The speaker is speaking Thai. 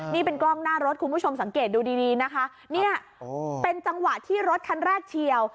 นี่เป็นกล้องหน้ารถคุณผู้ชมสังเกตดูดีดีนะคะเนี่ยเป็นจังหวะที่รถคันแรกเฉียว